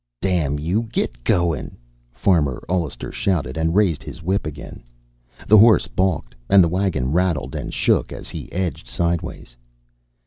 _ "Damn you, git going!" Farmer Ollister shouted, and raised his whip again. The horse balked, and the wagon rattled and shook as he edged sideways.